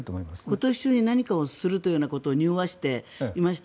今年何かをするということをにおわせていました。